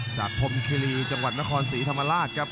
พรมคิรีจังหวัดนครศรีธรรมราชครับ